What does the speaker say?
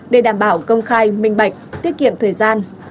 để đảm bảo công khai minh bạch tiết kiệm thời gian